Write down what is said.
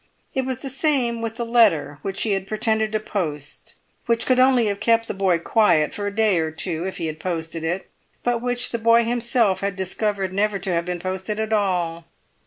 It was the same with the letter which he had pretended to post, which could only have kept the boy quiet for a day or two, if he had posted it, but which the boy himself had discovered never to have been posted at all.